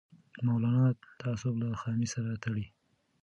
مولانا تعصب له خامۍ سره تړي